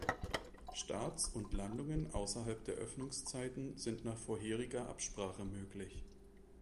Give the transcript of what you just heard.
Starts und Landungen außerhalb der Öffnungszeiten sind nach vorheriger Absprache möglich.